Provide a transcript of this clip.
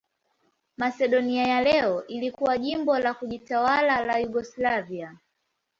Masedonia ya leo ilikuwa jimbo la kujitawala la Yugoslavia.